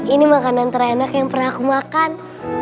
ini makanan terenak yang pernah aku makan